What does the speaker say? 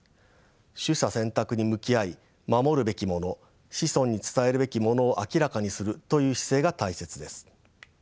取捨選択に向き合い守るべきもの子孫に伝えるべきものを明らかにするという姿勢が大切です。